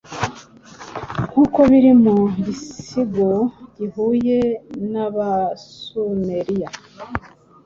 nkuko biri mu gisigo gihuye nAbasumeriya